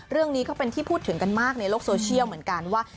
เรื่องนี้ก็เป็นที่พูดถึงกันมากในโลกโซเชียลเหมือนกันว่า